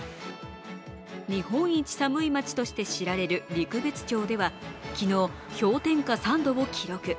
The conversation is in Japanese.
日本一寒い町として知られる陸別町では昨日、氷点下３度を記録。